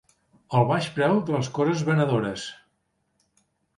El baix preu de les coses venedores.